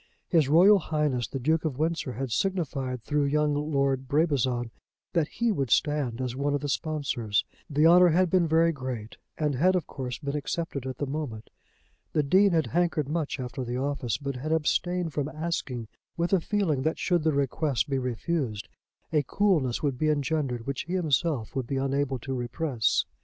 His Royal Highness the Duke of Windsor had signified through young Lord Brabazon that he would stand as one of the sponsors. The honour had been very great, and had of course been accepted at the moment. The Dean had hankered much after the office, but had abstained from asking with a feeling that should the request be refused a coolness would be engendered which he himself would be unable to repress.